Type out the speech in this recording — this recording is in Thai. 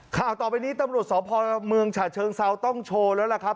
ข่าวต่อไปนี้ตำรวจสพเมืองฉะเชิงเซาต้องโชว์แล้วล่ะครับ